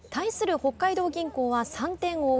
北海道銀行は３点を追う